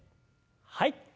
はい。